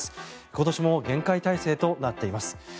今年も厳戒態勢となっています。